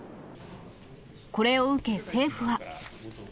これを受け、政府は。